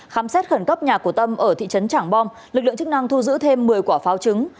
khám xét khẩn cấp nhà của tâm ở thị trấn trảng bom lực lượng chức năng thu giữ thêm một mươi quả pháo trứng